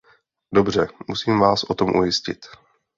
Dobře, musím vás o tom ujistit.